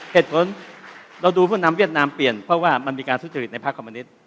เหตุผลเราดูผู้นำเวียดนามเปลี่ยนเพราะว่ามันมีการทุจริตในภาคคอมมินิต